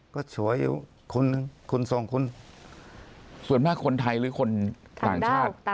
ก็ช่วยคนสองคนส่วนมากคนไทยหรือคนต่างชาติ